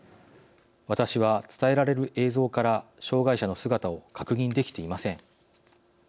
私は伝えられる映像から障害者の姿を確認できていません。